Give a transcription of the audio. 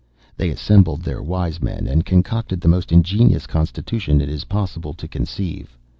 They assembled their wise men, and concocted the most ingenious constitution it is possible to conceive.